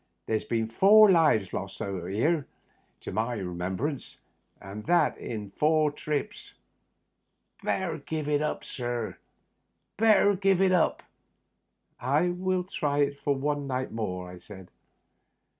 There's been four lives lost out o' here to my own remem brance, and that in four trips. Better give it up, sir — better give it up !"" I will try it for one night more," I said.